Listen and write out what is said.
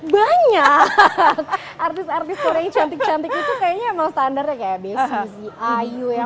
banyak artis artis korea yang cantik cantik itu kayaknya standarnya kayak bezuzi ayu ya